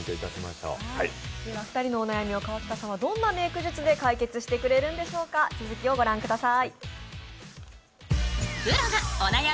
２人のお悩みを河北さんはどんなメーク術で解決してくれるんでしょうか、続きを御覧ください。